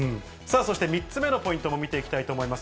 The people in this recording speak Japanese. そして、３つ目のポイントも見ていきたいと思います。